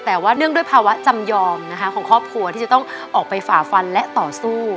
แต่ว่าเนื่องด้วยภาวะจำยอมนะคะของครอบครัวที่จะต้องออกไปฝ่าฟันและต่อสู้